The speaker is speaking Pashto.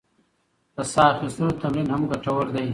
د ساه اخیستلو تمرین هم ګټور دی.